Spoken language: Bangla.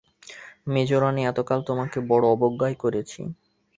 মেজোরানী, এত কাল তোমাকে বড়ো অবজ্ঞাই করেছি।